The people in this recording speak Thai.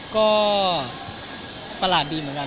ก็ประหลาดดีเหมือนกัน